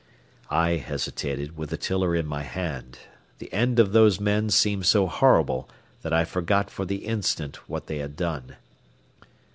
I hesitated, with the tiller in my hand. The end of those men seemed so horrible that I forgot for the instant what they had done.